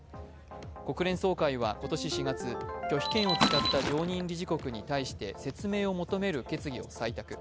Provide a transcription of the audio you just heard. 国連総会は今年４月、拒否権を使った常任理事国に対して説明を求める決議を採択。